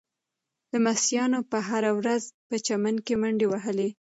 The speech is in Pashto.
لمسیانو به هره ورځ په چمن کې منډې وهلې.